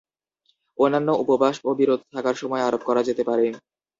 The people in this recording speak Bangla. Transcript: অন্যান্য উপবাস ও বিরত থাকার সময় আরোপ করা যেতে পারে।